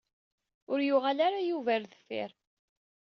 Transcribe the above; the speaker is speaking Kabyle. Ur yuɣal ara Yuba ar deffir.